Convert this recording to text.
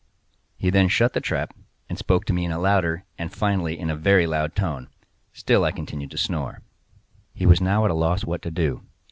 He then shut the trap, and spoke to me in a louder, and finally in a very loud tone—still I continued to snore. He was now at a loss what to do.